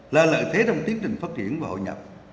là lợi thế trong tiến trình phát triển và hội nhập